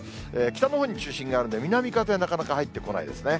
北のほうに中心があるんで、南風、なかなか入ってこないですね。